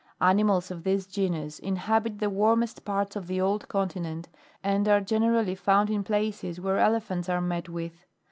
8. Animals of this genus inhabit the warmest parts of the old continent and are generally found in places where elephants are met with.